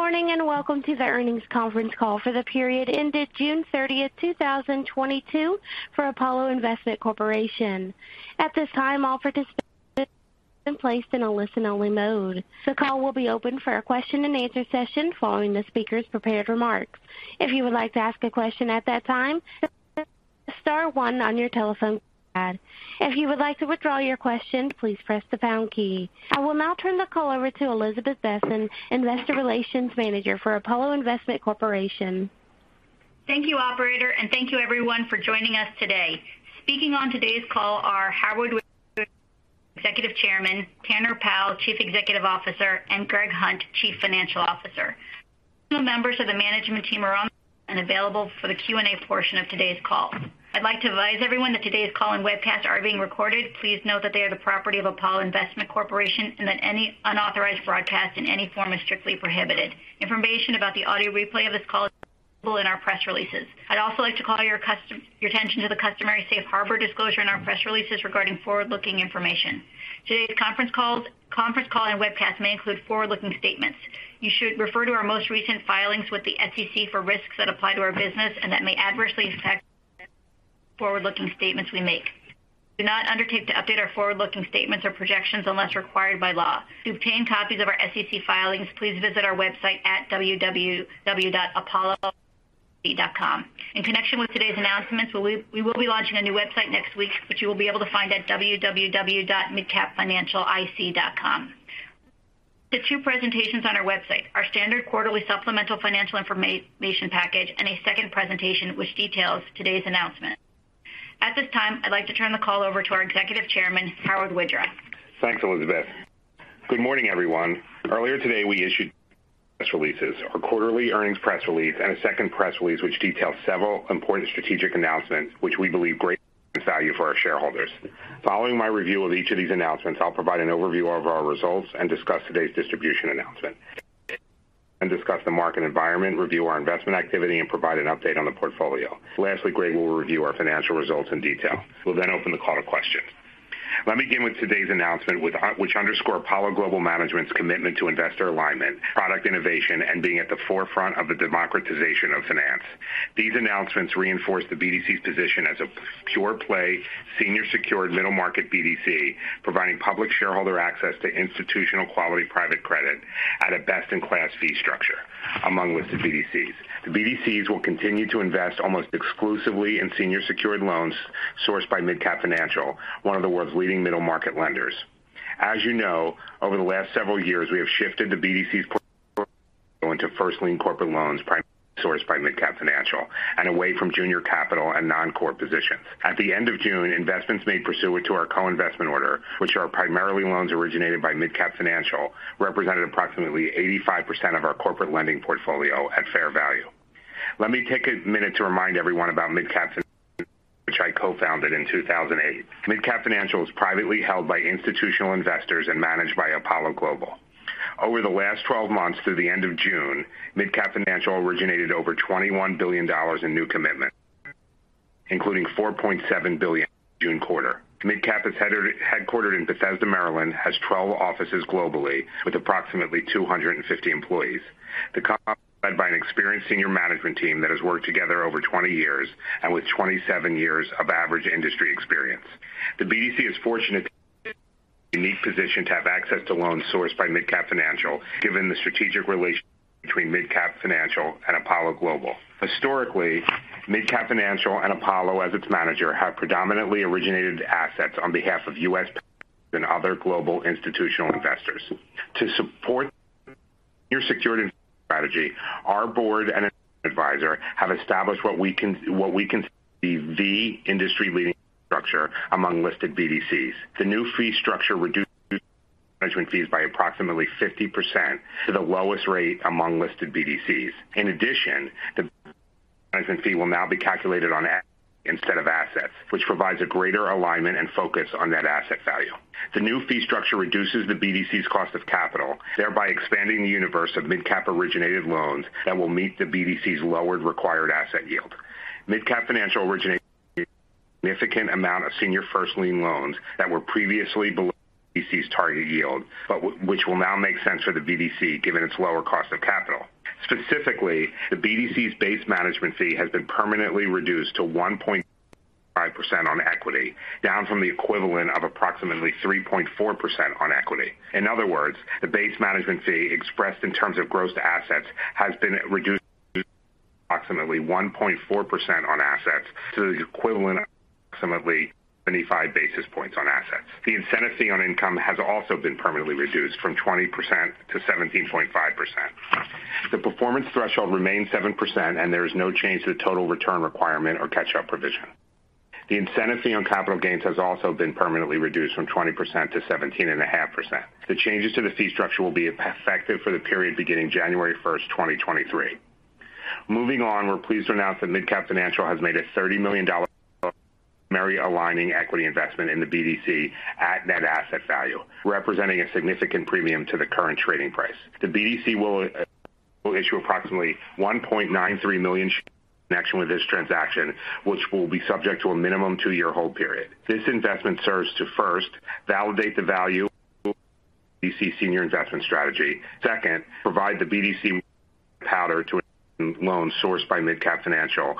Good morning, and welcome to the earnings conference call for the period ended June thirtieth, two thousand twenty-two for MidCap Financial Investment Corporation. At this time, all participants have been placed in a listen-only mode. The call will be open for a question-and-answer session following the speaker's prepared remarks. If you would like to ask a question at that time, press star one on your telephone pad. If you would like to withdraw your question, please press the pound key. I will now turn the call over to Elizabeth Besen, Investor Relations Manager for MidCap Financial Investment Corporation. Thank you, operator, and thank you everyone for joining us today. Speaking on today's call are Howard Widra, Executive Chairman, Tanner Powell, Chief Executive Officer, and Gregory Hunt, Chief Financial Officer. Some members of the management team are on and available for the Q&A portion of today's call. I'd like to advise everyone that today's call and webcast are being recorded. Please note that they are the property of MidCap Financial Investment Corporation and that any unauthorized broadcast in any form is strictly prohibited. Information about the audio replay of this call is available in our press releases. I'd also like to call your attention to the customary safe harbor disclosure in our press releases regarding forward-looking information. Today's conference call and webcast may include forward-looking statements. You should refer to our most recent filings with the SEC for risks that apply to our business and that may adversely affect the forward-looking statements we make. We do not undertake to update our forward-looking statements or projections unless required by law. To obtain copies of our SEC filings, please visit our website at www.apollo.com. In connection with today's announcements, we will be launching a new website next week, which you will be able to find at www.midcapfinancialic.com. The two presentations on our website, our standard quarterly supplemental financial information package, and a second presentation which details today's announcement. At this time, I'd like to turn the call over to our Executive Chairman, Howard Widra. Thanks, Elizabeth. Good morning, everyone. Earlier today, we issued press releases, our quarterly earnings press release, and a second press release, which details several important strategic announcements, which we believe great value for our shareholders. Following my review of each of these announcements, I'll provide an overview of our results and discuss today's distribution announcement, discuss the market environment, review our investment activity, and provide an update on the portfolio. Lastly, Greg will review our financial results in detail. We'll then open the call to questions. Let me begin with today's announcement, which underscore Apollo Global Management's commitment to investor alignment, product innovation, and being at the forefront of the democratization of finance. These announcements reinforce the BDC's position as a pure play, senior secured middle-market BDC, providing public shareholder access to institutional quality private credit at a best-in-class fee structure among listed BDCs. The BDCs will continue to invest almost exclusively in senior secured loans sourced by MidCap Financial, one of the world's leading middle-market lenders. As you know, over the last several years, we have shifted the BDC's portfolio into first lien corporate loans, primarily sourced by MidCap Financial, and away from junior capital and non-core positions. At the end of June, investments made pursuant to our co-investment order, which are primarily loans originated by MidCap Financial, represented approximately 85% of our corporate lending portfolio at fair value. Let me take a minute to remind everyone about MidCap Financial, which I co-founded in 2008. MidCap Financial is privately held by institutional investors and managed by Apollo Global. Over the last twelve months through the end of June, MidCap Financial originated over $21 billion in new commitments, including $4.7 billion June quarter. Headquartered in Bethesda, Maryland, has 12 offices globally with approximately 250 employees. The company is led by an experienced senior management team that has worked together over 20 years and with 27 years of average industry experience. The BDC is in a fortunate, unique position to have access to loans sourced by MidCap Financial, given the strategic relationship between MidCap Financial and Apollo Global. Historically, MidCap Financial and Apollo, as its manager, have predominantly originated assets on behalf of U.S. and other global institutional investors. To support your security strategy, our board and advisor have established what we consider the industry-leading structure among listed BDCs. The new fee structure reduced management fees by approximately 50% to the lowest rate among listed BDCs. In addition, the management fee will now be calculated on equity instead of assets, which provides a greater alignment and focus on that asset value. The new fee structure reduces the BDC's cost of capital, thereby expanding the universe of MidCap-originated loans that will meet the BDC's lowered required asset yield. MidCap Financial originates a significant amount of senior first lien loans that were previously below BDC's target yield, but which will now make sense for the BDC given its lower cost of capital. Specifically, the BDC's base management fee has been permanently reduced to 1.5% on equity, down from the equivalent of approximately 3.4% on equity. In other words, the base management fee expressed in terms of gross assets has been reduced to approximately 1.4% on assets to the equivalent of approximately 25 basis points on assets. The incentive fee on income has also been permanently reduced from 20% to 17.5%. The performance threshold remains 7%, and there is no change to the total return requirement or catch-up provision. The incentive fee on capital gains has also been permanently reduced from 20% to 17.5%. The changes to the fee structure will be effective for the period beginning January 1, 2023. Moving on, we're pleased to announce that MidCap Financial has made a $30 million primary aligning equity investment in the BDC at net asset value, representing a significant premium to the current trading price. The BDC will issue approximately 1.93 million shares in connection with this transaction, which will be subject to a minimum two-year hold period. This investment serves to first validate the value of BDC senior investment strategy. Second, provide the BDC powder to a loan sourced by MidCap Financial.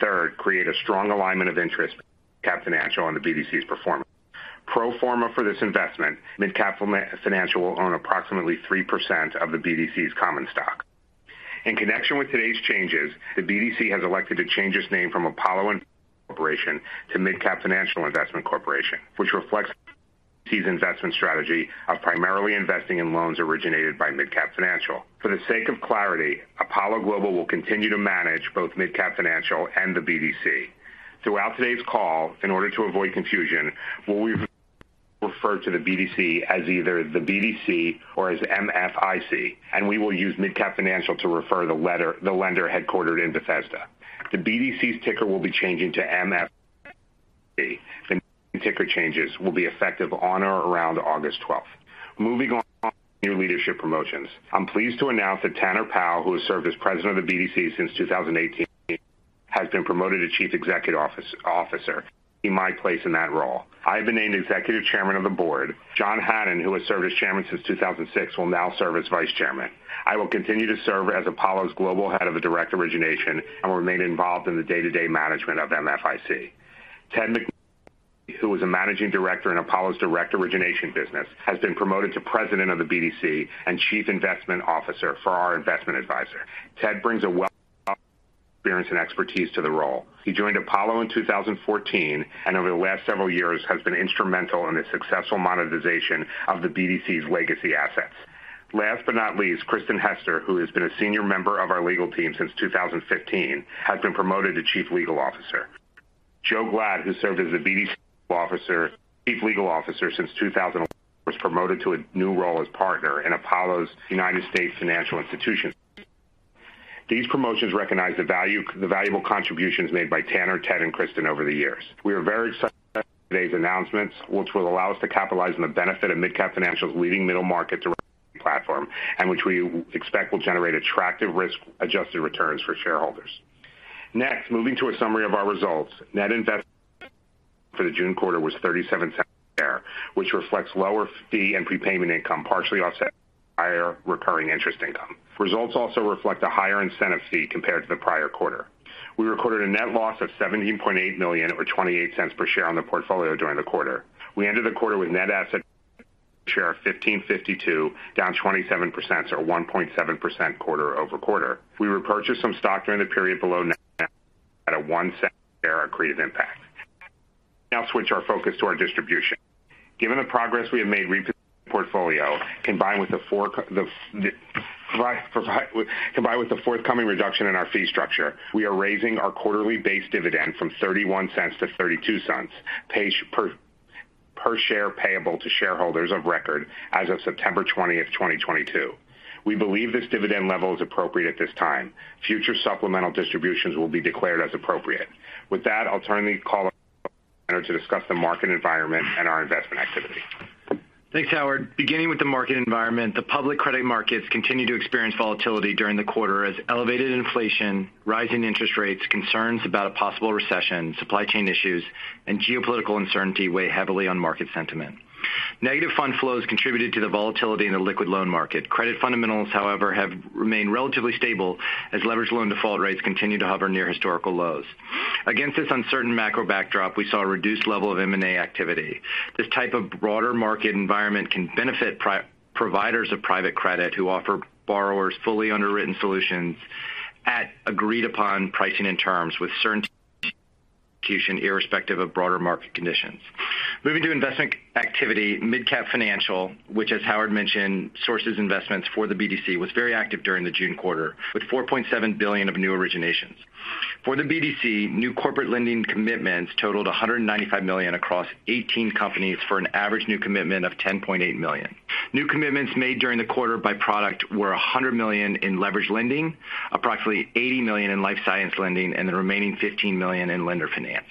Third, create a strong alignment of interest MidCap Financial on the BDC's performance. Pro forma for this investment, MidCap Financial will own approximately 3% of the BDC's common stock. In connection with today's changes, the BDC has elected to change its name from Apollo Investment Corporation to MidCap Financial Investment Corporation, which reflects key investment strategy of primarily investing in loans originated by MidCap Financial. For the sake of clarity, Apollo Global Management will continue to manage both MidCap Financial and the BDC. Throughout today's call, in order to avoid confusion, we'll refer to the BDC as either the BDC or as MFIC, and we will use MidCap Financial to refer to the latter, the lender headquartered in Bethesda. The BDC's ticker will be changing to MFIC. The ticker changes will be effective on or around August twelfth. Moving on to new leadership promotions. I'm pleased to announce that Tanner Powell, who has served as president of the BDC since 2018, has been promoted to chief executive officer, in my place in that role. I've been named executive chairman of the board. John Hannan, who has served as chairman since 2006, will now serve as vice chairman. I will continue to serve as Apollo's global head of the direct origination and will remain involved in the day-to-day management of MFIC. Ted McNulty, who is a managing director in Apollo's direct origination business, has been promoted to president of the BDC and chief investment officer for our investment advisor. Ted brings a wealth of experience and expertise to the role. He joined Apollo in 2014, and over the last several years has been instrumental in the successful monetization of the BDC's legacy assets. Last but not least, Kristin Hester, who has been a senior member of our legal team since 2015, has been promoted to Chief Legal Officer. Joseph Glatt, who served as the BDC's Chief Legal Officer since 2000 and was promoted to a new role as partner in Apollo's U.S. financial institutions. These promotions recognize the valuable contributions made by Tanner Powell, Ted McNulty, and Kristin Hester over the years. We are very excited about today's announcements, which will allow us to capitalize on the benefit of MidCap Financial's leading middle market direct platform, and which we expect will generate attractive risk-adjusted returns for shareholders. Next, moving to a summary of our results. Net investment income for the June quarter was $0.37 per share, which reflects lower fee and prepayment income, partially offset by our recurring interest income. Results also reflect a higher incentive fee compared to the prior quarter. We recorded a net loss of $17.8 million or $0.28 per share on the portfolio during the quarter. We ended the quarter with net asset value per share of $15.52, down 27 cents or 1.7% quarter-over-quarter. We repurchased some stock during the period below NAV at a $0.01 per share accretive impact. Now switch our focus to our distribution. Given the progress we have made portfolio, combined with the forthcoming reduction in our fee structure, we are raising our quarterly base dividend from $0.31 to $0.32 per share payable to shareholders of record as of September twentieth, 2022. We believe this dividend level is appropriate at this time. Future supplemental distributions will be declared as appropriate. With that, I'll turn the call to discuss the market environment and our investment activity. Thanks, Howard. Beginning with the market environment, the public credit markets continued to experience volatility during the quarter as elevated inflation, rising interest rates, concerns about a possible recession, supply chain issues, and geopolitical uncertainty weigh heavily on market sentiment. Negative fund flows contributed to the volatility in the liquid loan market. Credit fundamentals, however, have remained relatively stable as leveraged loan default rates continue to hover near historical lows. Against this AUM macro backdrop, we saw a reduced level of M&A activity. This type of broader market environment can benefit private providers of private credit who offer borrowers fully underwritten solutions at agreed upon pricing and terms with certain execution irrespective of broader market conditions. Moving to investment activity, MidCap Financial, which as Howard mentioned, sources investments for the BDC, was very active during the June quarter with $4.7 billion of new originations. For the BDC, new corporate lending commitments totaled $195 million across 18 companies for an average new commitment of $10.8 million. New commitments made during the quarter by product were $100 million in leveraged lending, approximately $80 million in life science lending, and the remaining $15 million in lender finance.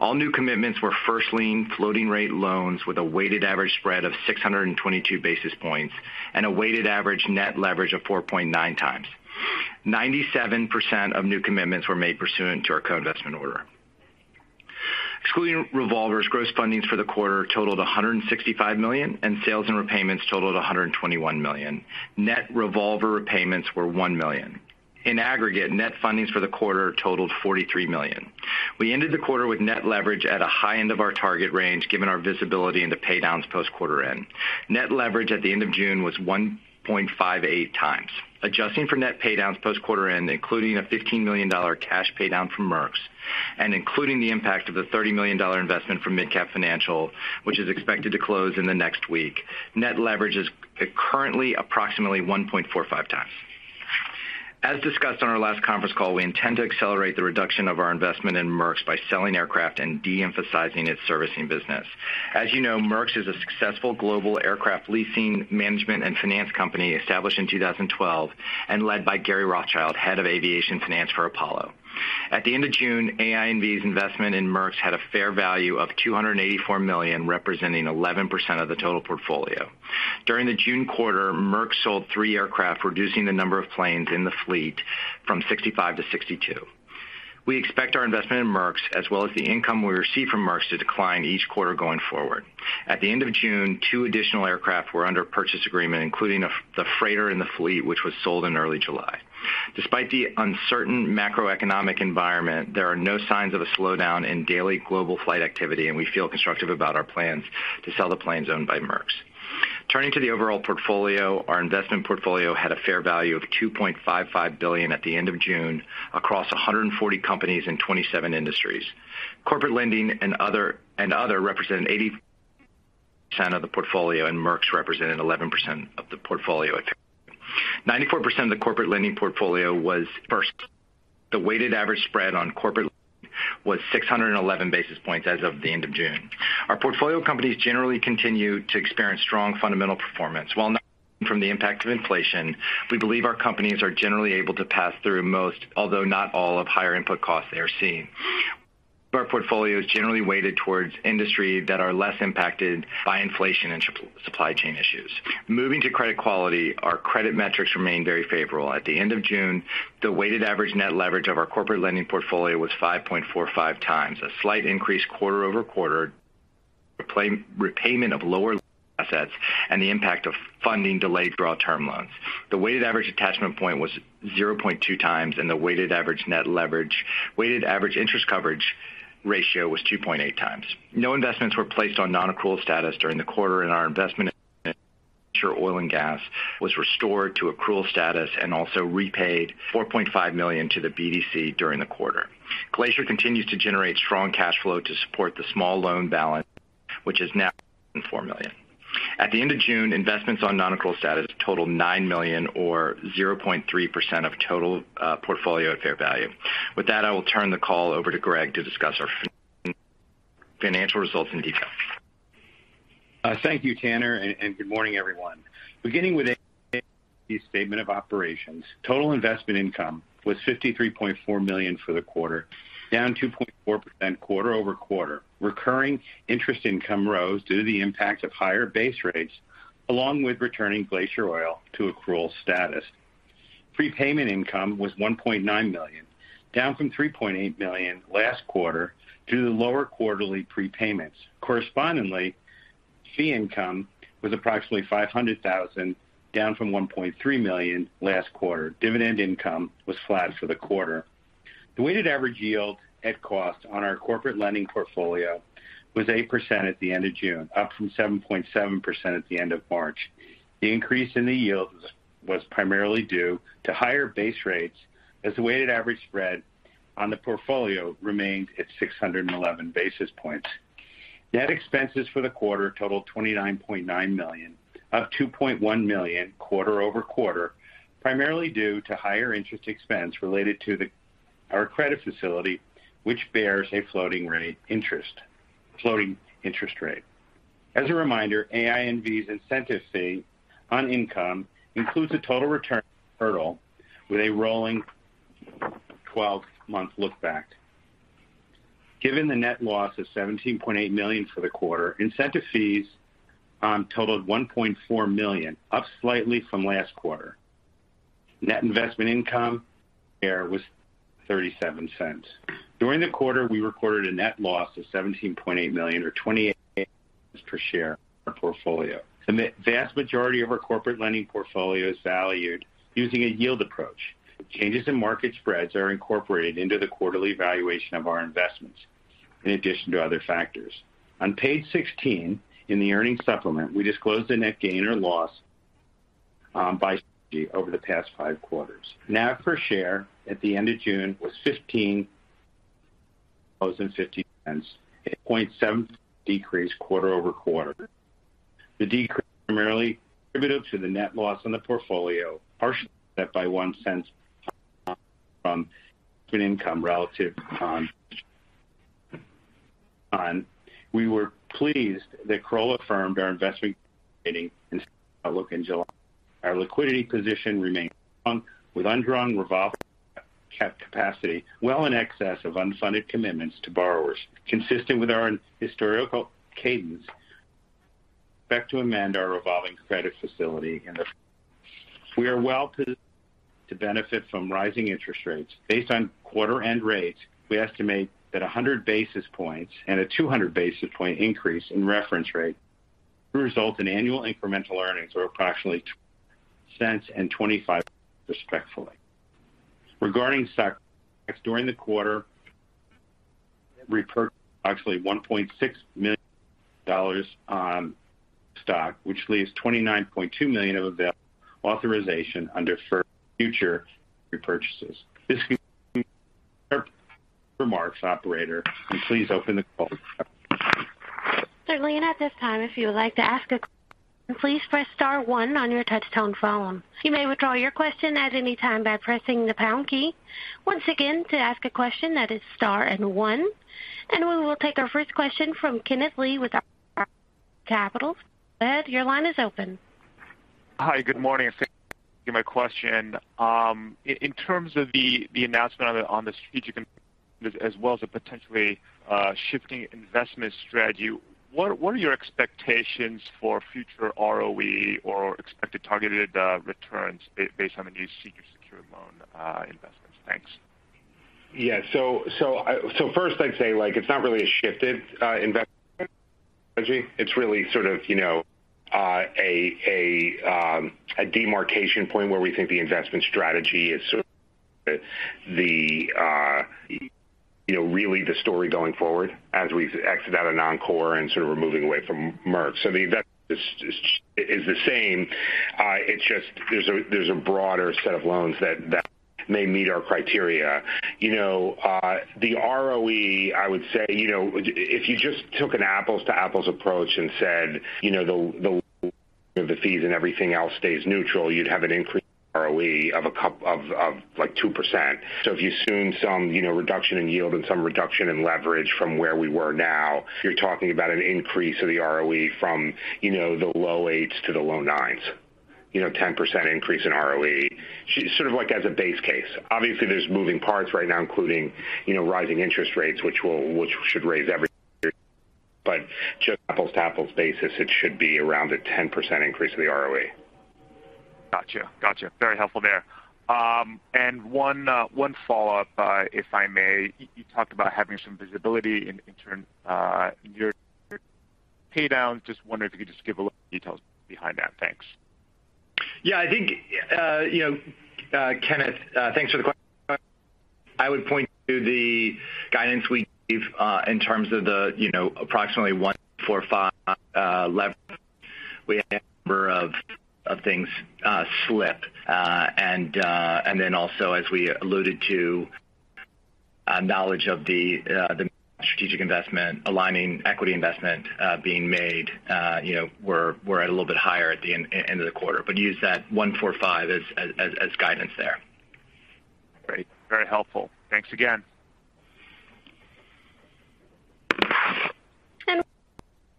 All new commitments were first lien floating rate loans with a weighted average spread of 622 basis points and a weighted average net leverage of 4.9x. 97% of new commitments were made pursuant to our co-investment order. Excluding revolvers, gross fundings for the quarter totaled $165 million, and sales and repayments totaled $121 million. Net revolver repayments were $1 million. In aggregate, net fundings for the quarter totaled $43 million. We ended the quarter with net leverage at a high end of our target range given our visibility in the paydowns post quarter end. Net leverage at the end of June was 1.58 times. Adjusting for net paydowns post quarter end, including a $15 million cash paydown from Merx, and including the impact of the $30 million investment from MidCap Financial, which is expected to close in the next week, net leverage is currently approximately 1.45 times. As discussed on our last conference call, we intend to accelerate the reduction of our investment in Merx by selling aircraft and de-emphasizing its servicing business. As you know, Merx is a successful global aircraft leasing management and finance company established in 2012 and led by Gary Rothschild, head of aviation finance for Apollo. At the end of June, AINV's investment in Merx had a fair value of $284 million, representing 11% of the total portfolio. During the June quarter, Merx sold three aircraft, reducing the number of planes in the fleet from 65 to 62. We expect our investment in Merx, as well as the income we receive from Merx, to decline each quarter going forward. At the end of June, two additional aircraft were under purchase agreement, including the freighter in the fleet which was sold in early July. Despite uncertain macroeconomic environment, there are no signs of a slowdown in daily global flight activity, and we feel constructive about our plans to sell the planes owned by Merx. Turning to the overall portfolio, our investment portfolio had a fair value of $2.55 billion at the end of June across 140 companies in 27 industries. Corporate lending and other represented 80% of the portfolio, and Merx represented 11% of the portfolio at fair value. 94% of the corporate lending portfolio was first lien. The weighted average spread on corporate was 611 basis points as of the end of June. Our portfolio companies generally continue to experience strong fundamental performance. While feeling the impact of inflation, we believe our companies are generally able to pass through most, although not all of higher input costs they are seeing. Our portfolio is generally weighted towards industries that are less impacted by inflation and supply chain issues. Moving to credit quality, our credit metrics remain very favorable. At the end of June, the weighted average net leverage of our corporate lending portfolio was 5.45 times, a slight increase quarter-over-quarter. Repayment of lower assets and the impact of funding delayed draw term loans. The weighted average attachment point was 0.2 times, and the weighted average interest coverage ratio was 2.8 times. No investments were placed on non-accrual status during the quarter, and our investment in oil and gas was restored to accrual status and also repaid $4.5 million to the BDC during the quarter. Glacier continues to generate strong cash flow to support the small loan balance, which is now $4 million. At the end of June, investments on non-accrual status totaled $9 million or 0.3% of total portfolio at fair value. With that, I will turn the call over to Greg to discuss our financial results in detail. Thank you, Tanner, and good morning, everyone. Beginning with statement of operations, total investment income was $53.4 million for the quarter, down 2.4% quarter-over-quarter. Recurring interest income rose due to the impact of higher base rates along with returning Glacier Oil to accrual status. Prepayment income was $1.9 million, down from $3.8 million last quarter due to the lower quarterly prepayments. Correspondingly, fee income was approximately $500 thousand, down from $1.3 million last quarter. Dividend income was flat for the quarter. The weighted average yield at cost on our corporate lending portfolio was 8% at the end of June, up from 7.7% at the end of March. The increase in the yield was primarily due to higher base rates as the weighted average spread on the portfolio remained at 611 basis points. Net expenses for the quarter totaled $29.9 million, up $2.1 million quarter over quarter, primarily due to higher interest expense related to our credit facility, which bears a floating interest rate. As a reminder, AINV's incentive fee on income includes a total return hurdle with a rolling twelve-month look-back. Given the net loss of $17.8 million for the quarter, incentive fees totaled $1.4 million, up slightly from last quarter. Net investment income here was $0.37. During the quarter, we recorded a net loss of $17.8 million or $0.20 per share our portfolio. The vast majority of our corporate lending portfolio is valued using a yield approach. Changes in market spreads are incorporated into the quarterly valuation of our investments in addition to other factors. On page 16 in the earnings supplement, we disclosed the net gain or loss over the past five quarters. NAV per share at the end of June was $15.05, a $0.07 decrease quarter-over-quarter. The decrease primarily attributed to the net loss on the portfolio, partially offset by $0.01 from an income realization. We were pleased that Kroll affirmed our investment in July. Our liquidity position remained strong with undrawn revolving capacity well in excess of unfunded commitments to borrowers. Consistent with our historical cadence, back to amend our revolving credit facility and. We are well positioned to benefit from rising interest rates. Based on quarter-end rates, we estimate that 100 basis points and a 200 basis point increase in reference rate will result in annual incremental earnings of approximately $0.02 and $0.25 respectively. Regarding stock, during the quarter, we purchased actually $1.6 million of stock, which leaves $29.2 million of available authorization for future repurchases. That concludes our remarks, operator. Please open the call. Certainly. At this time, if you would like to ask a question, please press star one on your touch-tone phone. You may withdraw your question at any time by pressing the pound key. Once again, to ask a question that is star and one. We will take our first question from Kenneth Lee with RBC Capital Markets. And, your line is open. Hi, good morning, and thank you for taking my question. In terms of the announcement on the strategic as well as a potentially shifting investment strategy, what are your expectations for future ROE or expected targeted returns based on the new senior secured loan investments? Thanks. First I'd say like it's not really a shifted investment strategy. It's really sort of a demarcation point where we think the investment strategy is sort of really the story going forward as we exit out of non-core and sort of we're moving away from Merx. The investment is the same. It's just there's a broader set of loans that may meet our criteria. The ROE, I would say, if you just took an apples to apples approach and said, the fees and everything else stays neutral, you'd have an increased ROE of like 2%. If you assume some, you know, reduction in yield and some reduction in leverage from where we were now, you're talking about an increase of the ROE from, you know, the low 8s to the low 9s. You know, 10% increase in ROE. Sort of like as a base case. Obviously, there's moving parts right now including, you know, rising interest rates which should raise everything but just apples to apples basis, it should be around a 10% increase of the ROE. Gotcha. Very helpful there. One follow-up, if I may. You talked about having some visibility in your pay downs. Just wondering if you could just give a little details behind that. Thanks. Yeah, I think you know Kenneth thanks for the question. I would point to the guidance we gave in terms of the you know approximately 1.45 leverage. We had a number of things slip. Also as we alluded to knowledge of the strategic investment aligning equity investment being made. You know we're a little bit higher at the end of the quarter. Use that 1.45 as guidance there. Great. Very helpful. Thanks again.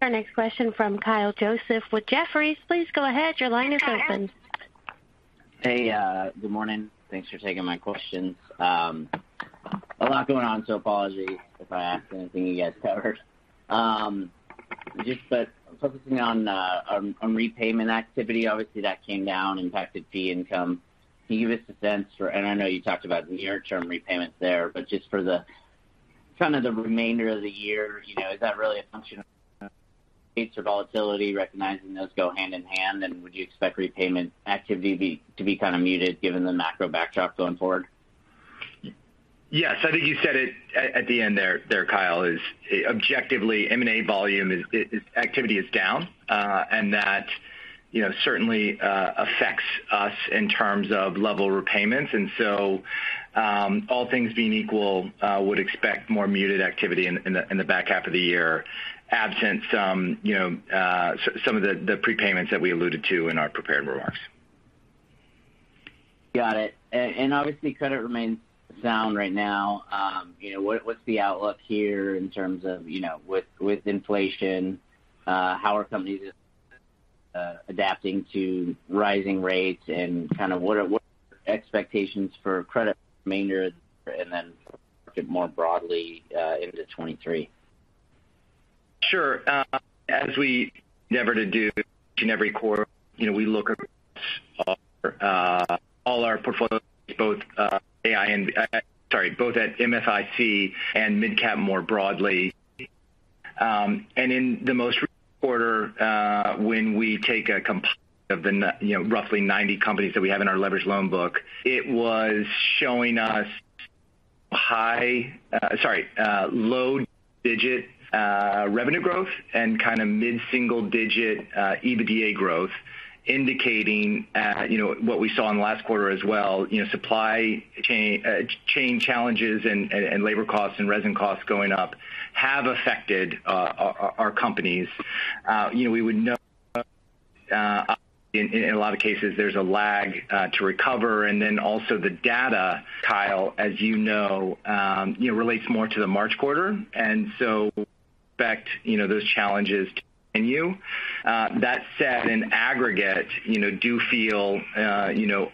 Our next question from Kyle Joseph with Jefferies. Please go ahead. Your line is open. Hey. Good morning. Thanks for taking my questions. A lot going on, so apologies if I ask anything you guys covered. Just but focusing on repayment activity, obviously that came down, impacted fee income. Can you give us a sense for and I know you talked about near term repayments there, but just for the kind of the remainder of the year, you know, is that really a function of rates or volatility, recognizing those go hand in hand? Would you expect repayment activity to be kind of muted given the macro backdrop going forward? Yes. I think you said it at the end there, Kyle, objectively M&A volume activity is down. That, you know, certainly affects us in terms of level repayments. All things being equal, would expect more muted activity in the back half of the year, absent some, you know, some of the prepayments that we alluded to in our prepared remarks. Got it. Obviously credit remains sound right now. You know, what's the outlook here in terms of, you know, with inflation, how are companies adapting to rising rates? Kind of what are expectations for credit performance and then more broadly into 2023? Sure. As we endeavor to do in every quarter, you know, we look at our overall portfolios, both at MFIC and MidCap more broadly. In the past quarter, when we take a composite of the, you know, roughly 90 companies that we have in our leveraged loan book, it was showing us low single-digit revenue growth and kind of mid-single-digit EBITDA growth, indicating you know, what we saw in the last quarter as well. You know, supply chain challenges and labor costs and resin costs going up have affected our companies. You know, we would note in a lot of cases there's a lag to recover. Also the data, Kyle, as you know, you know, relates more to the March quarter. We expect, you know, those challenges to continue. That said, in aggregate, you know, do feel, you know,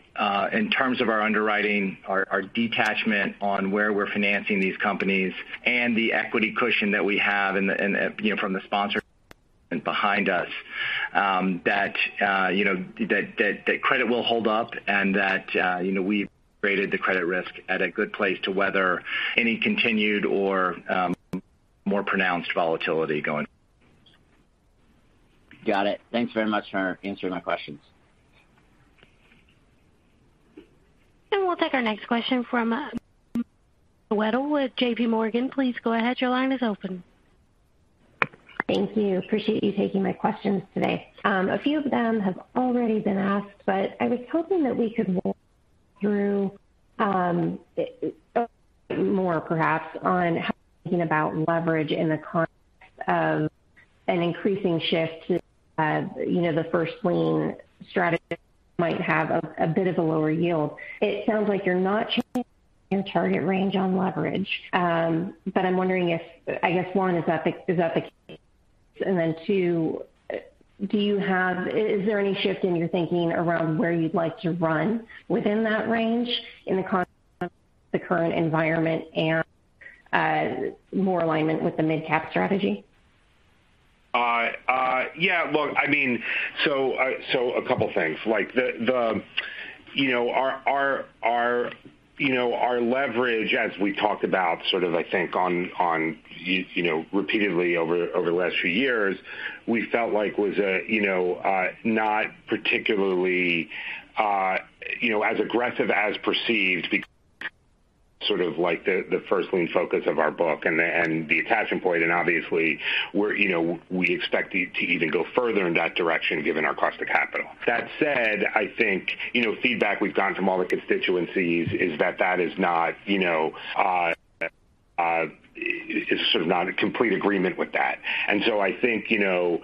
in terms of our underwriting, our detachment on where we're financing these companies and the equity cushion that we have and the, you know, from the sponsor behind us, that, you know, that credit will hold up and that, you know, we've graded the credit risk at a good place to weather any continued or, more pronounced volatility going. Got it. Thanks very much for answering my questions. We'll take our next question from Melissa Wedel with J.P. Morgan. Please go ahead. Your line is open. Thank you. Appreciate you taking my questions today. A few of them have already been asked, but I was hoping that we could walk through more perhaps on how thinking about leverage in the context of an increasing shift to, you know, the first lien strategy might have a bit of a lower yield. It sounds like you're not changing your target range on leverage. I'm wondering if, I guess, one, is that the case? Two, is there any shift in your thinking around where you'd like to run within that range in the current environment and more alignment with the MidCap strategy? Yeah, look, I mean, a couple things, like the, you know, our leverage, as we talked about sort of, I think, on, you know, repeatedly over the last few years, we felt like was a, you know, not particularly, you know, as aggressive as perceived, sort of like the first lien focus of our book and the attachment point. Obviously we're, you know, we expect it to even go further in that direction given our cost of capital. That said, I think, you know, feedback we've gotten from all the constituencies is that that is not, you know, is sort of not a complete agreement with that. I think, you know,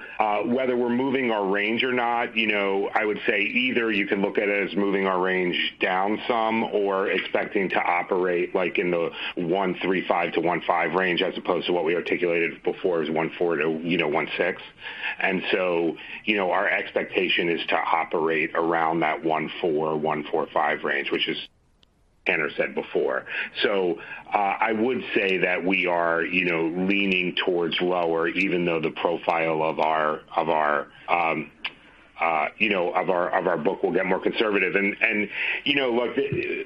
whether we're moving our range or not, you know, I would say either you can look at it as moving our range down some or expecting to operate like in the 1.35%-1.5% range as opposed to what we articulated before as 1.4%-1.6%. You know, our expectation is to operate around that 1.4-1.45% range, which is as Tanner said before. I would say that we are, you know, leaning towards lower, even though the profile of our book will get more conservative. You know, look,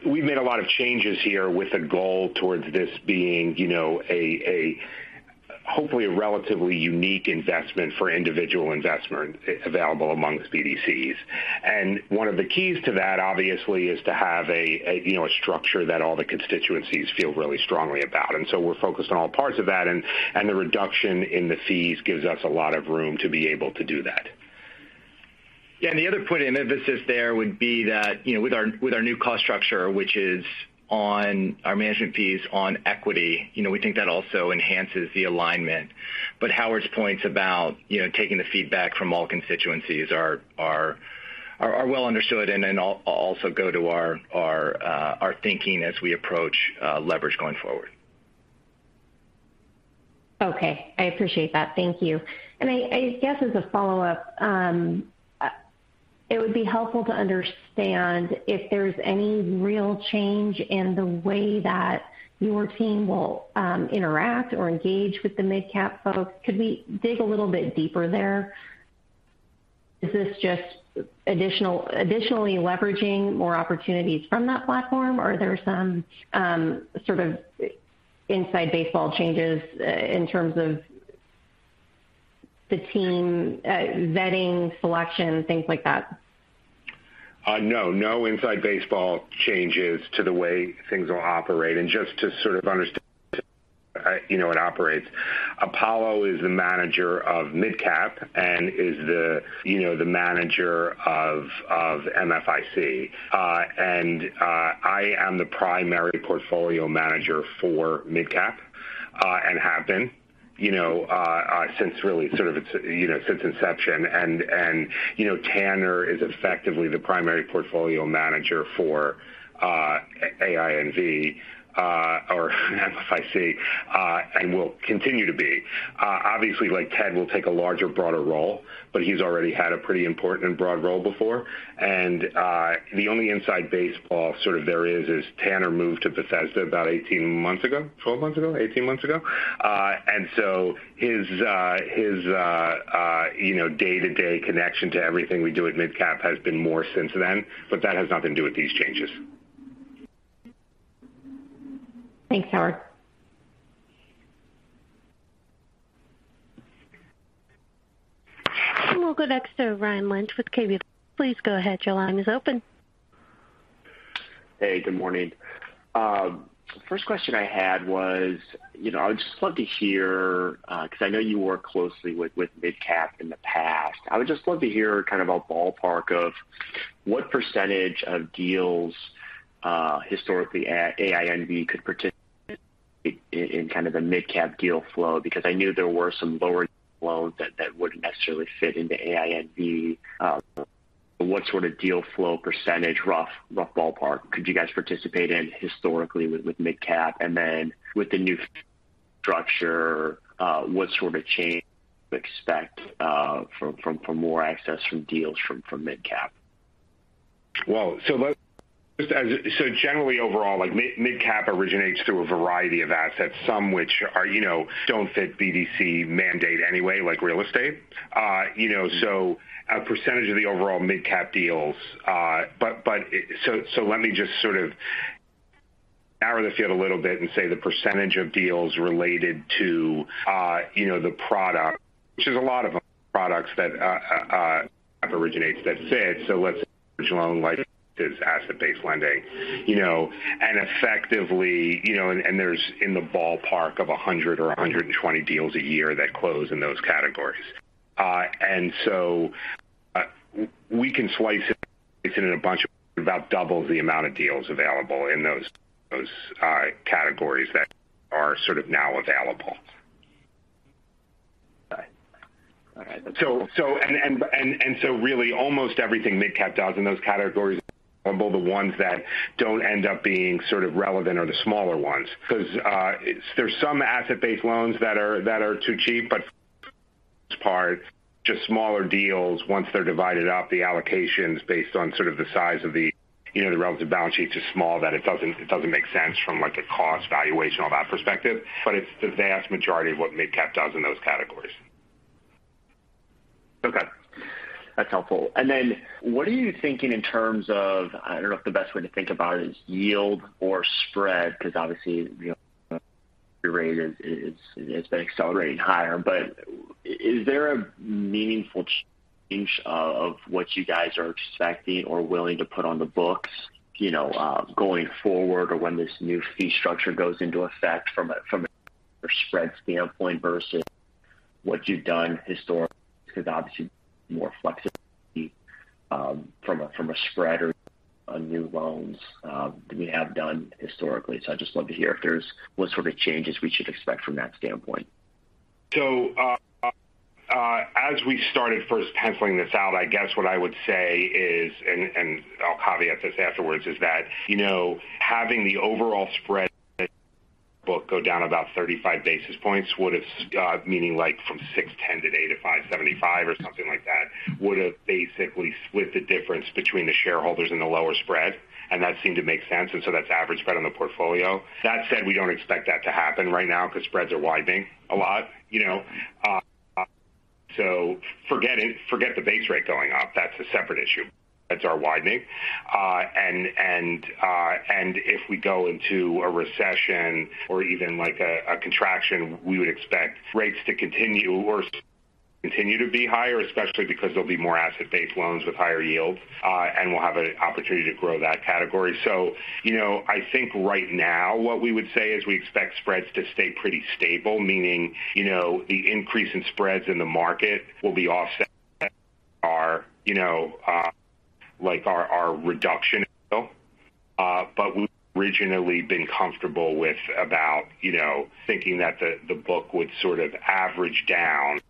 we've made a lot of changes here with a goal towards this being, you know, a hopefully a relatively unique investment for individual investors available amongst BDCs. One of the keys to that obviously is to have a you know a structure that all the constituencies feel really strongly about. We're focused on all parts of that. The reduction in the fees gives us a lot of room to be able to do that. Yeah. The other point of emphasis there would be that, you know, with our new cost structure, which is on our management fees on equity, you know, we think that also enhances the alignment. Howard's points about, you know, taking the feedback from all constituencies are well understood and then also go to our thinking as we approach leverage going forward. Okay. I appreciate that. Thank you. I guess as a follow-up, it would be helpful to understand if there's any real change in the way that your team will interact or engage with the MidCap folks. Could we dig a little bit deeper there? Is this just additionally leveraging more opportunities from that platform, or are there some sort of inside baseball changes in terms of the team vetting, selection, things like that? No. No inside baseball changes to the way things will operate. Just to sort of understand, you know, it operates. Apollo is the manager of MidCap and is the, you know, the manager of MFIC. I am the primary portfolio manager for MidCap and have been, you know, since really sort of it's, you know, since inception. Tanner is effectively the primary portfolio manager for AINV or MFIC and will continue to be. Obviously, like, Ted will take a larger, broader role, but he's already had a pretty important and broad role before. The only inside baseball sort of there is Tanner moved to Bethesda about 18 months ago. His day-to-day connection to everything we do at MidCap has been more since then, but that has nothing to do with these changes. Thanks, Howard. We'll go next to Ryan Lynch with Keefe, Bruyette & Woods. Please go ahead. Your line is open. Good morning. First question I had was, you know, I'd just love to hear, because I know you worked closely with MidCap in the past. I would just love to hear kind of a ballpark of what percentage of deals historically AINV could participate in kind of the MidCap deal flow, because I knew there were some lower flows that wouldn't necessarily fit into AINV. What sort of deal flow percentage, rough ballpark could you guys participate in historically with MidCap? Then with the new structure, what sort of change expect from more access to deals from MidCap? Well, generally overall, like, MidCap originates through a variety of assets, some which are, you know, don't fit BDC mandate anyway, like real estate. You know, a percentage of the overall MidCap deals. Let me just sort of narrow the field a little bit and say the percentage of deals related to, you know, the product, which is a lot of products that originates that fit. Let's say loans like asset-based lending, you know, and effectively, you know, there's in the ballpark of 100 or 120 deals a year that close in those categories. We can slice it in a bunch of about double the amount of deals available in those categories that are sort of now available. Really almost everything MidCap does in those categories, all the ones that don't end up being sort of relevant are the smaller ones. Because there's some asset-based loans that are too cheap, but for the most part, just smaller deals. Once they're divided up, the allocations based on sort of the size of the, you know, the relative balance sheet is small, that it doesn't make sense from like a cost valuation, all that perspective. It's the vast majority of what MidCap does in those categories. Okay, that's helpful. Then what are you thinking in terms of, I don't know if the best way to think about it is yield or spread, because obviously, you know, the rate has been accelerating higher. Is there a meaningful change of what you guys are expecting or willing to put on the books, you know, going forward or when this new fee structure goes into effect from a spread standpoint versus what you've done historically? Because obviously more flexibility, from a spread or on new loans, than we have done historically. I'd just love to hear if there's what sort of changes we should expect from that standpoint. As we started first penciling this out, I guess what I would say is, and I'll caveat this afterwards is that, you know, having the overall spread book go down about 35 basis points would have, meaning like from 610 to 575 or something like that, would have basically split the difference between the shareholders and the lower spread. That seemed to make sense. That's average spread on the portfolio. That said, we don't expect that to happen right now because spreads are widening a lot, you know. Forget it. Forget the base rate going up. That's a separate issue. That's our widening. If we go into a recession or even like a contraction, we would expect rates to continue to be higher, especially because there'll be more asset-based loans with higher yields. We'll have an opportunity to grow that category. You know, I think right now what we would say is we expect spreads to stay pretty stable, meaning, you know, the increase in spreads in the market will be offset by our reduction in yield. But we've originally been comfortable with about, you know, thinking that the book would sort of average down,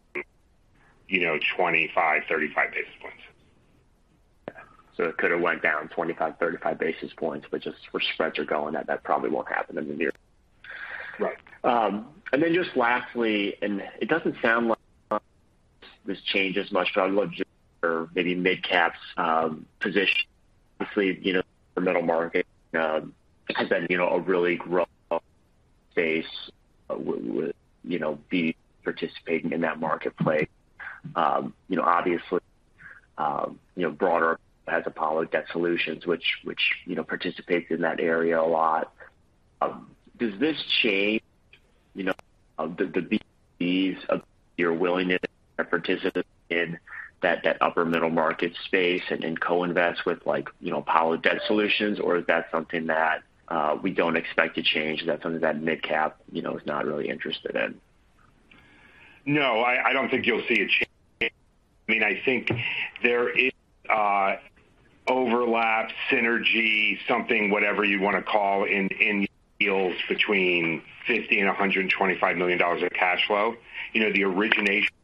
you know, 25-35 basis points. It could have went down 25-35 basis points, but just where spreads are going, that probably won't happen in the near term. Right. Just lastly, and it doesn't sound like this changes much, but I'd love to hear maybe MidCap's position. Obviously, you know, the middle market has been, you know, a really growing space, you know, we've been participating in that marketplace. You know, obviously, you know, broader, as Apollo Debt Solutions, which, you know, participates in that area a lot. Does this change, you know, the ease of your willingness to participate in that upper middle market space and co-invest with like, you know, Apollo Debt Solutions? Or is that something that we don't expect to change? Is that something that MidCap, you know, is not really interested in? No, I don't think you'll see a change. I mean, I think there is overlap, synergy, something, whatever you want to call it in yields between $50-$125 million of cash flow. You know, the origination,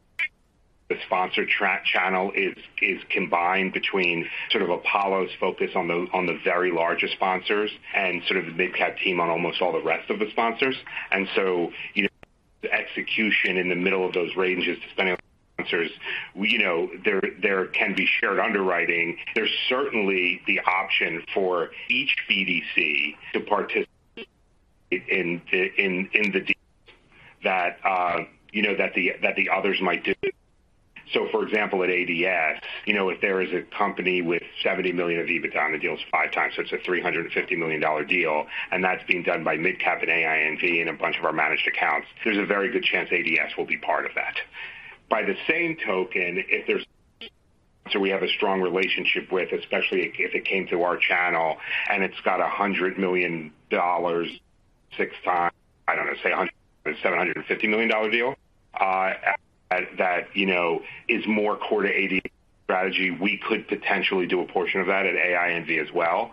the sponsor channel is combined between sort of Apollo's focus on the very largest sponsors and sort of the MidCap team on almost all the rest of the sponsors. You know, the execution in the middle of those ranges, depending on sponsors, you know, there can be shared underwriting. There's certainly the option for each BDC to participate in the deals that you know that the others might do. For example, at ADS, you know, if there is a company with $70 million of EBITDA, and the deal is 5x, so it's a $350 million deal, and that's being done by MidCap and AINV and a bunch of our managed accounts, there's a very good chance ADS will be part of that. By the same token, we have a strong relationship with, especially if it came through our channel and it's got $100 million six times, I don't know, say a hundred, $750 million deal, that, you know, is more core to ADS strategy. We could potentially do a portion of that at AINV as well.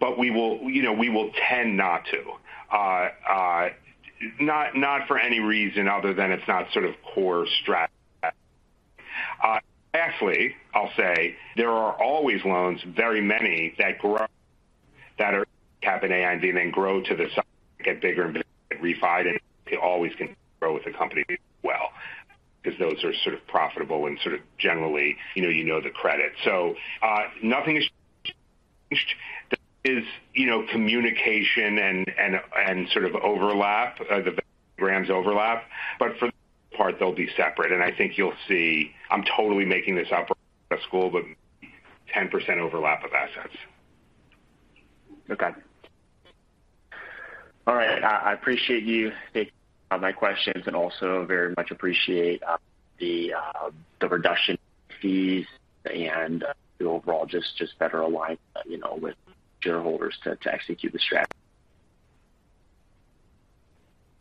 But we will, you know, we will tend not to, not for any reason other than it's not sort of core strategy. Last, I'll say there are always loans, we have many that grow, that are MidCap and AINV and then grow to the size, get bigger and refi, they always can grow with the company as well because those are sort of profitable and sort of generally, you know the credit. Nothing has changed. There is, you know, communication and sort of overlap, the programs overlap. For the most part they'll be separate. I think you'll see I'm totally making this up as a rule, but 10% overlap of assets. Okay. All right. I appreciate you taking my questions and also very much appreciate the reduced fees and the overall just better alignment, you know, with shareholders to execute the strategy.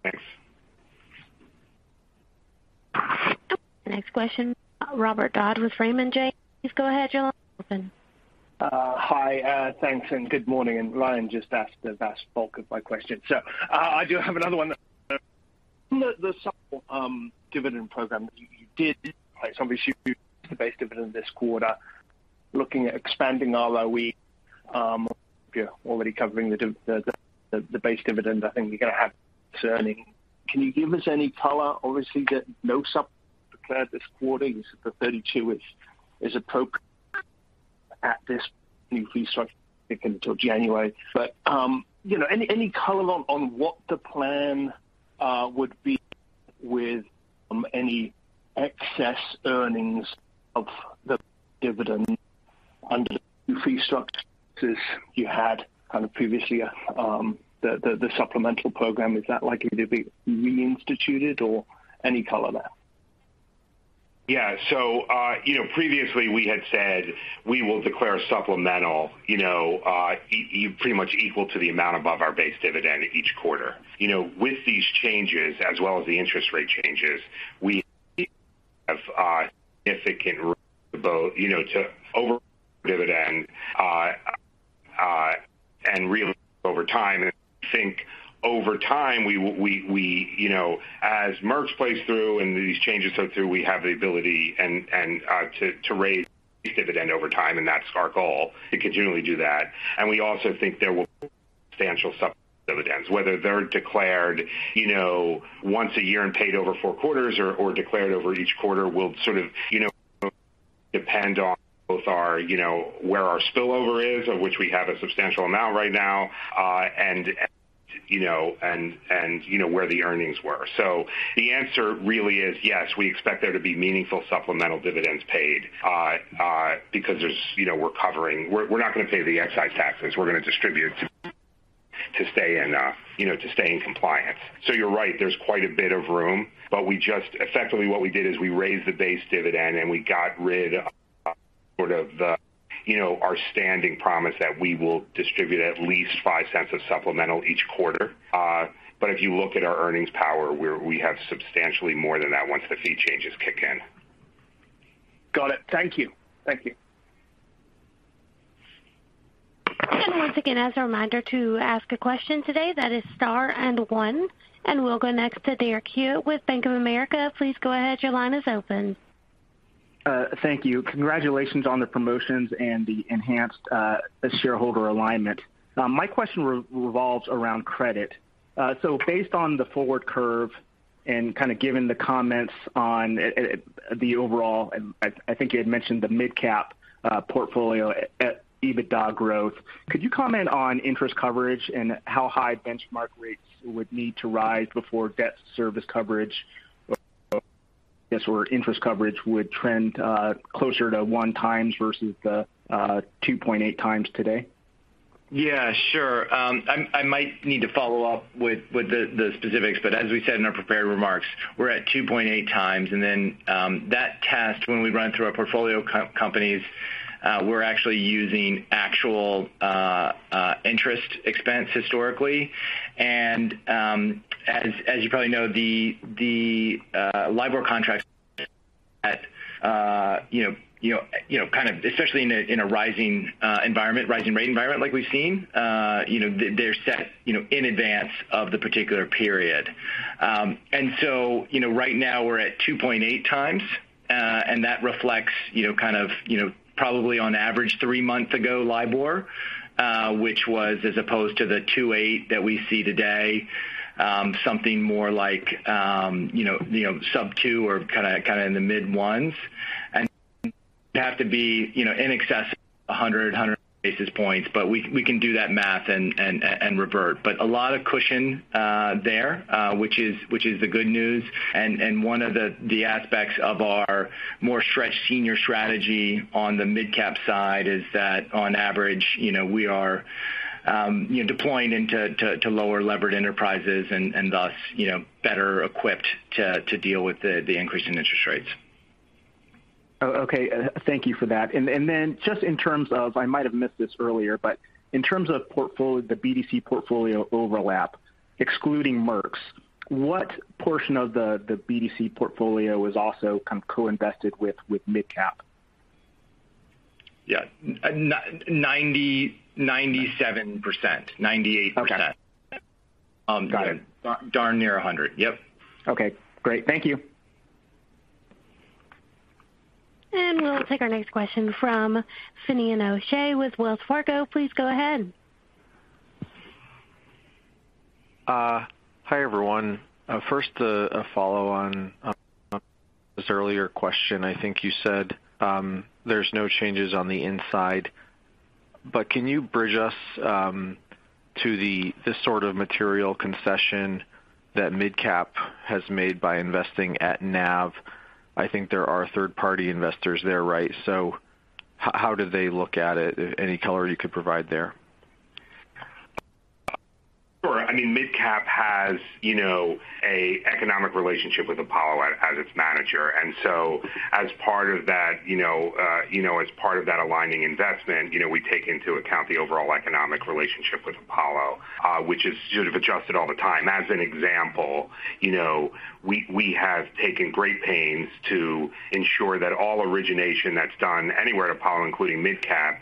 Thanks. Next question, Robert Dodd with Raymond James. Please go ahead. Your line is open. Hi, thanks and good morning. Ryan just asked the vast bulk of my question. I do have another one. The supplemental dividend program that you did, obviously you did the base dividend this quarter. Looking at expanding our LOI, you're already covering the base dividend. I think you're gonna have excess. Can you give us any color? Obviously, no supplemental declared this quarter. The 32 is appropriate at this new fee structure until January. You know, any color on what the plan would be with any excess earnings of the dividend under the new fee structures you had kind of previously, the supplemental program. Is that likely to be reinstated or any color there? Yeah. You know, previously we had said we will declare supplemental, you know, pretty much equal to the amount above our base dividend each quarter. You know, with these changes as well as the interest rate changes, we have significant both, you know, to over dividend, and really over time. I think over time, we, you know, as Merx's plays through and these changes go through, we have the ability and to raise dividend over time, and that's our goal to continually do that. We also think there will be substantial dividends. Whether they're declared, you know, once a year and paid over four quarters or declared over each quarter will sort of, you know, depend on both our, you know, where our spillover is, of which we have a substantial amount right now, and you know, where the earnings were. The answer really is yes, we expect there to be meaningful supplemental dividends paid, because there's, you know, we're covering. We're not gonna pay the excise taxes. We're gonna distribute to stay in, you know, to stay in compliance. You're right, there's quite a bit of room. We just effectively what we did is we raised the base dividend, and we got rid of sort of the, you know, our standing promise that we will distribute at least $0.05 of supplemental each quarter. If you look at our earnings power, we have substantially more than that once the fee changes kick in. Got it. Thank you. Thank you. Once again, as a reminder to ask a question today, that is star and one. We'll go next to Derek Hewett with Bank of America. Please go ahead. Your line is open. Thank you. Congratulations on the promotions and the enhanced shareholder alignment. My question revolves around credit. So based on the forward curve and kind of given the comments on the overall, and I think you had mentioned the MidCap portfolio EBITDA growth, could you comment on interest coverage and how high benchmark rates would need to rise before debt service coverage or interest coverage would trend closer to 1x versus the 2.8x today? Yeah, sure. I might need to follow up with the specifics, but as we said in our prepared remarks, we're at 2.8 times. That test when we run through our portfolio companies, we're actually using actual interest expense historically. As you probably know, the LIBOR contracts at, you know, kind of especially in a rising rate environment like we've seen, you know, they're set in advance of the particular period. You know, right now we're at 2.8 times, and that reflects, you know, kind of, you know, probably on average three months ago LIBOR, which was as opposed to the 2.8 that we see today. Something more like, you know, sub two or kinda in the mid ones. You have to be, you know, in excess of 100 basis points, but we can do that math and revert. A lot of cushion there, which is the good news. One of the aspects of our more stretched senior strategy on the MidCap side is that on average, you know, we are deploying into lower levered enterprises and thus, you know, better equipped to deal with the increase in interest rates. Okay. Thank you for that. Then just in terms of, I might have missed this earlier, but in terms of portfolio, the BDC portfolio overlap, excluding Merx's, what portion of the BDC portfolio is also kind of co-invested with MidCap? Yeah. 90, 97%. 98%. Okay. Got it. Darn near 100. Yep. Okay, great. Thank you. We'll take our next question from Finian O'Shea with Wells Fargo. Please go ahead. Hi, everyone. First, a follow on this earlier question. I think you said, there's no changes on the inside. Can you bridge us to this sort of material concession that MidCap has made by investing at NAV? I think there are third party investors there, right? How do they look at it? Any color you could provide there? Sure. I mean, MidCap has, you know, an economic relationship with Apollo as its manager. As part of that aligning investment, you know, we take into account the overall economic relationship with Apollo. Which is sort of adjusted all the time. As an example, you know, we have taken great pains to ensure that all origination that's done anywhere to Apollo, including MidCap,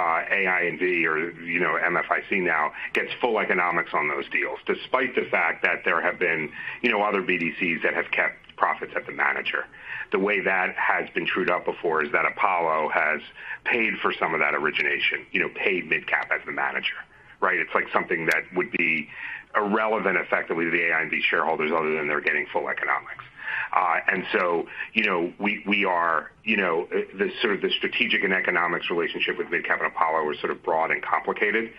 AINV or, you know, MFIC now gets full economics on those deals, despite the fact that there have been, you know, other BDCs that have kept profits at the manager. The way that has been trued up before is that Apollo has paid for some of that origination, you know, paid MidCap as the manager, right? It's like something that would be irrelevant effectively to the AINV shareholders other than they're getting full economics. You know, we are, you know, the sort of strategic and economics relationship with MidCap and Apollo are sort of broad and complicated.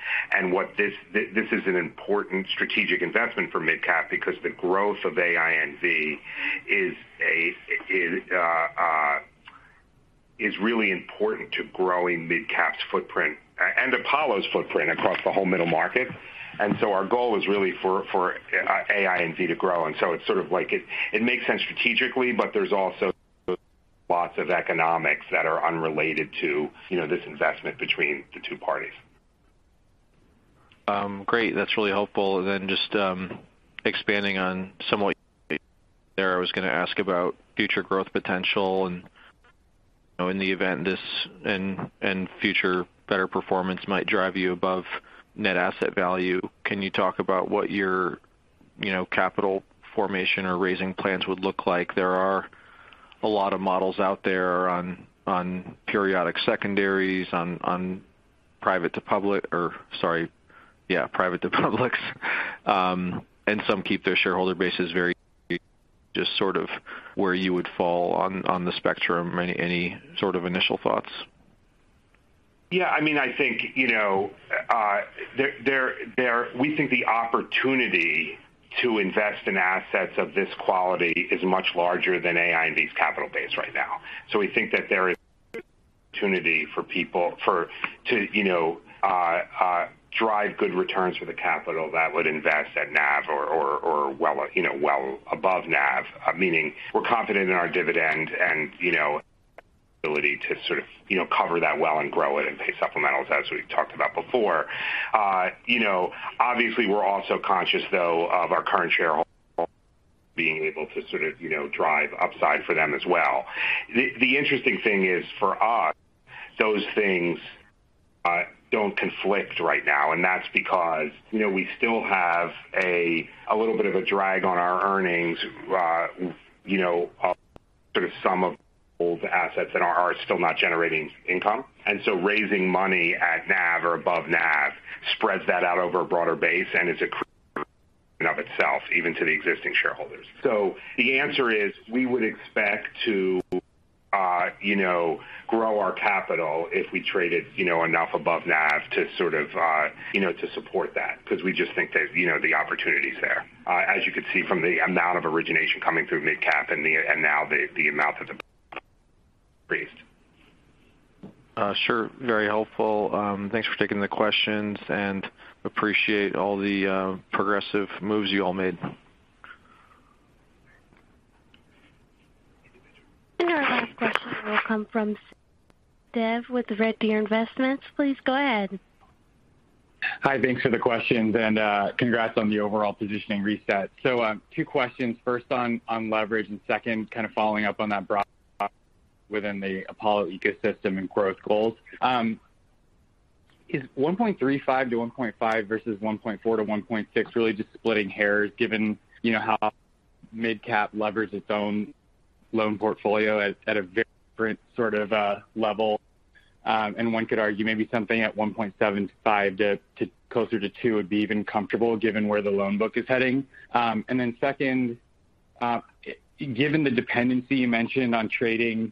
What this is an important strategic investment for MidCap because the growth of AINV is really important to growing MidCap's footprint and Apollo's footprint across the whole middle market. Our goal is really for AINV to grow. It's sort of like it makes sense strategically, but there's also lots of economics that are unrelated to, you know, this investment between the two parties. Great. That's really helpful. Just expanding on somewhat there, I was gonna ask about future growth potential and in the event this and future better performance might drive you above net asset value. Can you talk about what your, you know, capital formation or raising plans would look like? There are a lot of models out there on periodic secondaries, on private to public. Some keep their shareholder bases very just sort of where you would fall on the spectrum. Any sort of initial thoughts? I mean, I think, you know, we think the opportunity to invest in assets of this quality is much larger than AINV's capital base right now. We think that there is opportunity for people to, you know, drive good returns for the capital that would invest at NAV or well, you know, well above NAV. Meaning we're confident in our dividend and, you know, ability to sort of, you know, cover that well and grow it and pay supplementals as we've talked about before. You know, obviously we're also conscious though of our current shareholders being able to sort of, you know, drive upside for them as well. The interesting thing is for us, those things don't conflict right now, and that's because, you know, we still have a little bit of a drag on our earnings, you know, sort of some old assets that are still not generating income. Raising money at NAV or above NAV spreads that out over a broader base and is accretive in and of itself, even to the existing shareholders. The answer is we would expect to, you know, grow our capital if we traded, you know, enough above NAV to sort of, you know, to support that because we just think that, you know, the opportunity is there. As you can see from the amount of origination coming through MidCap and now the amount that they raised. Sure. Very helpful. Thanks for taking the questions and appreciate all the progressive moves you all made. Our last question will come from Devdutt Sinha from Reddear Capital. Please go ahead. Hi. Thanks for the questions and congrats on the overall positioning reset. Two questions. First on leverage and second kind of following up on that broadly within the Apollo ecosystem and growth goals. Is 1.35-1.5 versus 1.4-1.6 really just splitting hairs given, you know, how MidCap levers its own loan portfolio at a very different sort of level. And one could argue maybe something at 1.75 to closer to two would be even comfortable given where the loan book is heading. Second, given the dependency you mentioned on trading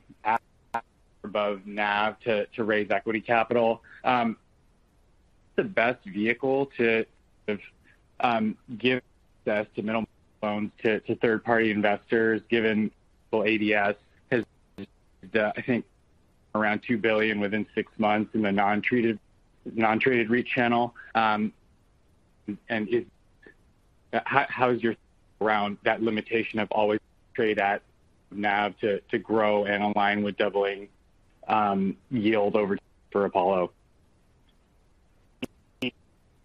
above NAV to raise equity capital, the best vehicle to give access to middle loans to third-party investors, given ADS has I think around $2 billion within six months in the non-traded retail channel. How do you work around that limitation of always trading at NAV to grow and align with doubling the uncertain for Apollo?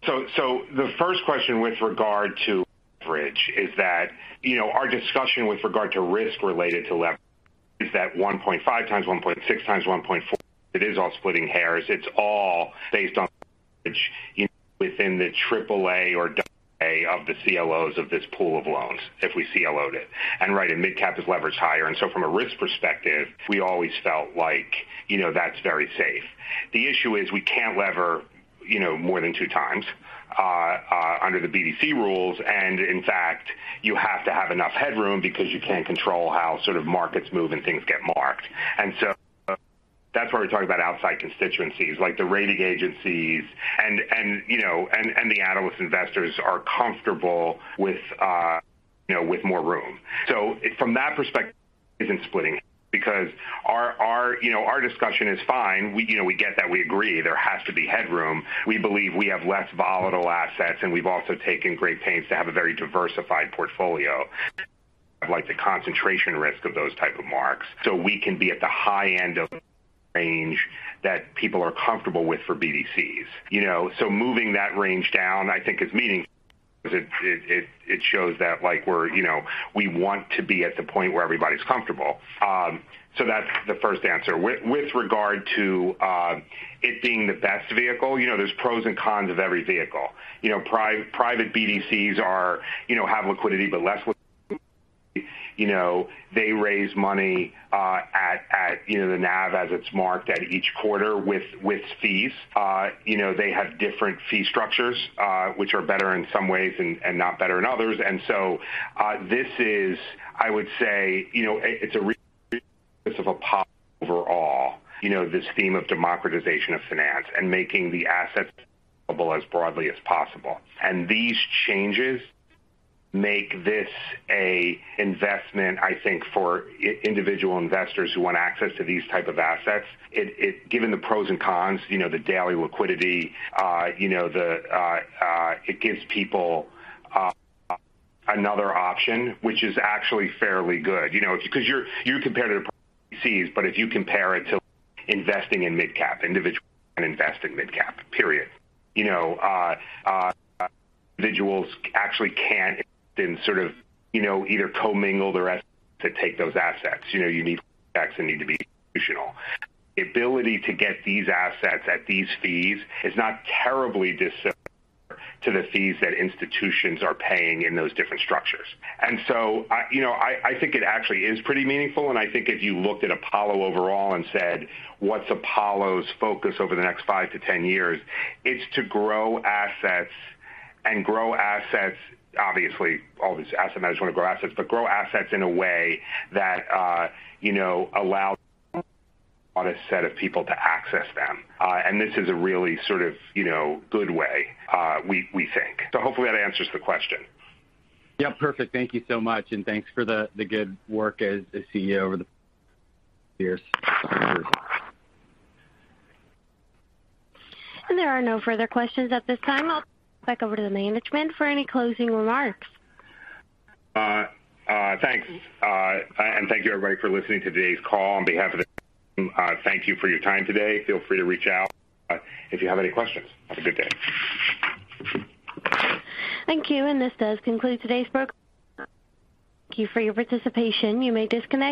The first question with regard to leverage is that, you know, our discussion with regard to risk related to leverage is that 1.5 times, 1.6 times, 1.4, it is all splitting hairs. It's all based on within the triple A or double A of the CLOs of this pool of loans if we CLO it. Right, and MidCap is leveraged higher. From a risk perspective, we always felt like, you know, that's very safe. The issue is we can't lever, you know, more than 2 times under the BDC rules. In fact, you have to have enough headroom because you can't control how sort of markets move and things get marked. That's why we're talking about outside constituencies like the rating agencies and the analyst investors are comfortable with, you know, with more room. From that perspective isn't splitting because our discussion is fine. We get that. We agree there has to be headroom. We believe we have less volatile assets, and we've also taken great pains to have a very diversified portfolio. Of like the concentration risk of those type of marks. We can be at the high end of range that people are comfortable with for BDCs. You know, moving that range down, I think is meaningful 'cause it shows that like we're, you know, we want to be at the point where everybody's comfortable. That's the first answer. With regard to it being the best vehicle, you know, there's pros and cons of every vehicle. You know, private BDCs are, you know, have liquidity but less liquidity. You know, they raise money at the NAV as it's marked at each quarter with fees. You know, they have different fee structures, which are better in some ways and not better in others. This is, I would say, you know, it's a reflection of Apollo overall, you know, this theme of democratization of finance and making the assets available as broadly as possible. These changes make this a investment, I think, for individual investors who want access to these type of assets. Given the pros and cons, you know, the daily liquidity, you know, it gives people another option, which is actually fairly good. You know, 'cause you're compared to the BDCs, but if you compare it to investing in MidCap individually and invest in MidCap, period. You know, individuals actually can't then sort of, you know, either commingle the risk to take those assets. You know, you need assets that need to be institutional. The ability to get these assets at these fees is not terribly dissimilar to the fees that institutions are paying in those different structures. I, you know, think it actually is pretty meaningful, and I think if you looked at Apollo overall and said, "What's Apollo's focus over the next five to 10 years?" It's to grow assets and grow assets. Obviously, all these asset managers wanna grow assets, but grow assets in a way that, you know, allows one set of people to access them. This is a really sort of, you know, good way, we think. Hopefully that answers the question. Yeah, perfect. Thank you so much, and thanks for the good work as the CEO over the years. There are no further questions at this time. I'll turn it back over to the management for any closing remarks. Thanks. Thank you, everybody, for listening to today's call. On behalf of the team, thank you for your time today. Feel free to reach out, if you have any questions. Have a good day. Thank you. This does conclude today's program. Thank you for your participation. You may disconnect.